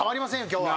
今日は。